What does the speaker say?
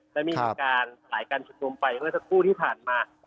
และมีการสลายการชุมนุมไปเมื่อสักครู่ที่ผ่านมา